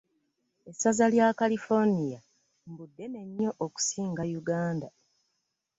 Essaza lya California mbu ddene nnyo okusinga Yuganda.